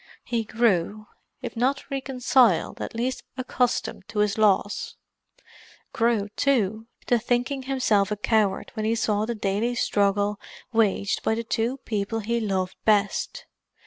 He grew, if not reconciled, at least accustomed to his loss; grew, too, to thinking himself a coward when he saw the daily struggle waged by the two people he loved best.